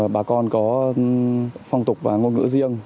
bà con có phong tục và ngôn ngữ riêng